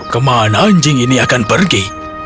kemana anjing ini akan pergi